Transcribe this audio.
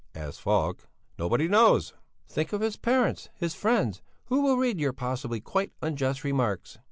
asked Falk. "Nobody knows." "Think of his parents, his friends, who will read your possibly quite unjust remarks."